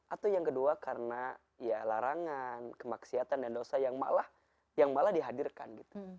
atau yang kedua karena ya larangan kemaksiatan dan dosa yang malah dihadirkan gitu